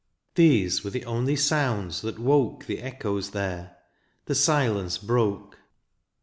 These were the only sounds that woke The echoes there, the silence broke.